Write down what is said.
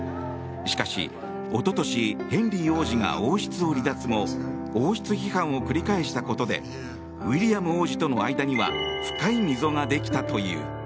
しかし、一昨年ヘンリー王子が王室を離脱後王室批判を繰り返したことでウィリアム王子との間には深い溝ができたという。